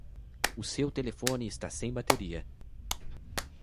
O seu telefone está sem bateria.